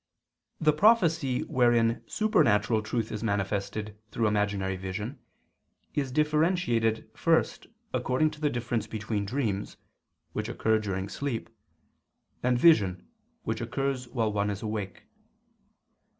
The prophecy wherein supernatural truth is manifested through imaginary vision is differentiated first according to the difference between dreams which occur during sleep, and vision which occurs while one is awake.